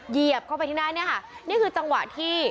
เหยียบเข้าไปที่หน้าเนี่ยค่ะนี่คือจังหวะที่